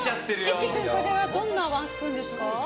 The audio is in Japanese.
一輝君、これはどんなワンスプーンですか。